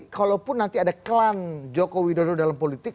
kalaupun nanti ada klan joko widodo dalam politik